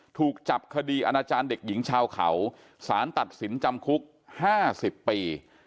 ถูกจับคดีอาณาจารย์เด็กหญิงชาวเขาสารตัดสินจำคุก๕๐ปี